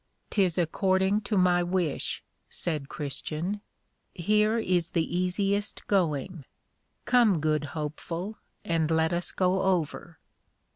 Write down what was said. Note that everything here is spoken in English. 'Tis according to my wish, said Christian, here is the easiest going; come good Hopeful, and let us go over.